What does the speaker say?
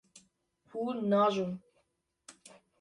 Hûn naajon.